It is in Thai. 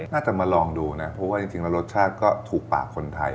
น่าจะมาลองดูนะเพราะว่ารสชาติก็ถูกปากคนไทย